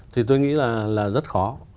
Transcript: thì tôi nghĩ là rất khó